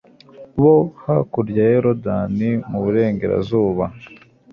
bo hakurya ya yorudani mu burengerazuba